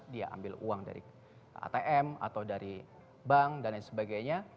dia ambil uang dari atm atau dari bank dan lain sebagainya